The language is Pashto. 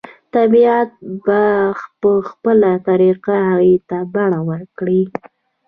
طبیعت به په خپله طریقه هغې ته بڼه ورکړي